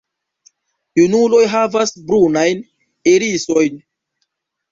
Junuloj havas brunajn irisojn.